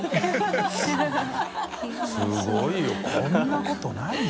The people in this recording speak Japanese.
すごいよこんなことないよ。